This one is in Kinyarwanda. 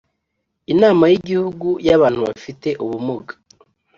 inama y Igihugu y Abantu bafite ubumuga